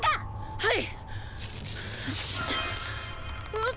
はい！